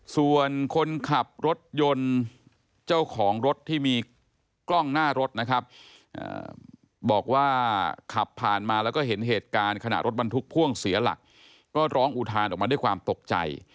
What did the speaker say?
ส่วนคนขับรถยนต์เจ้าของรถที่มีกล้องหน้ารถนะครับบอกว่าขับผ่านมาแล้วก็เห็นเหตุการณ์ขณะรถบรรทุกพ่วงเสียหลักก็ร้องอุทานออกมาด้วยความตกใจ